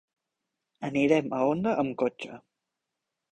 Anirem a Onda amb cotxe.